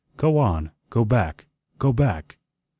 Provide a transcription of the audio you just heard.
"Go on, go back, go back.